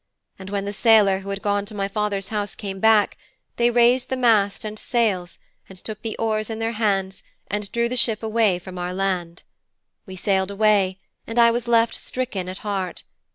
And when the sailor who had gone to my father's house came back, they raised the mast and sails, and took the oars in their hands, and drew the ship away from our land. We sailed away and I was left stricken at heart.